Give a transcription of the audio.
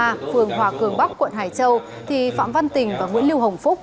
và đoạn đường hòa cường bắc quận hải châu phạm văn tình và nguyễn lưu hồng phúc